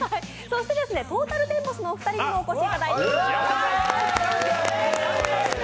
そしてトータルテンボスのお二人にもお越しいただいています。